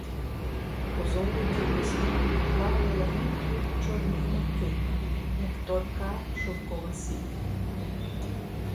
По золоті і по сріблі плавали легенькі, чорні хмарки, як тонка шовкова сіть.